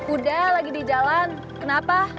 udah lagi di jalan kenapa